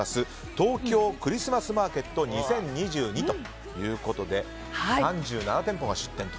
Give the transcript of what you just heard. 東京クリスマスマーケット２０２２ということで３７店舗が出店と。